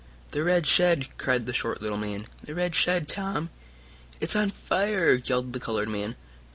"The red shed!" cried the short little man. "The red shed, Tom!" "It's on fire!" yelled the colored man.